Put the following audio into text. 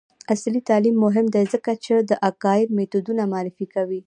عصري تعلیم مهم دی ځکه چې د اګایل میتودونه معرفي کوي.